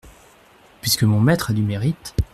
Puisque mon maître a du mérite.